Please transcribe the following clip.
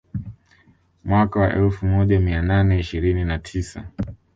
Mwaka wa elfu moja mia nane ishirini na tisa